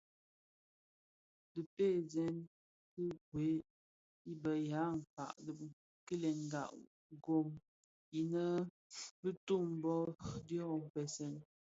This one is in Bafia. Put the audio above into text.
Dhipèseèn ti gwed i be ya mpkag di kilenga gom imë bituu bum dyoň npèsèn.